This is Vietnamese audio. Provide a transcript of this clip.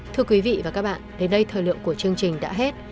thưa quý vị và các bạn đến đây thời lượng của chương trình đã hết